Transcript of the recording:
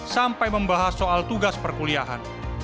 sampai membahas soal tugas perkuliahan